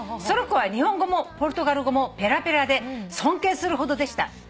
「その子は日本語もポルトガル語もペラペラで尊敬するほどでした」